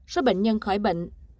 số bệnh nhân khỏi bệnh